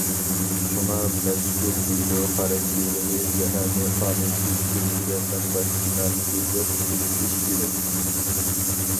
شۇڭا مەزكۇر دېلو خاراكتېرىنى زەھەرنى قانۇنسىز ئىلكىدە ساقلاش جىنايىتى دەپ بېكىتىش كېرەك.